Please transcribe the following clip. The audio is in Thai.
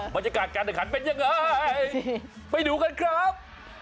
บรรยากาศการแข่งขันเป็นยังไงไปดูกันครับ